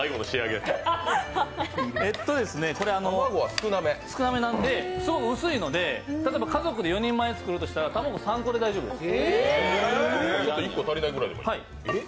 卵、少なめなんですごく薄いので家族で４人前作ろうと思ったら卵３個で大丈夫です。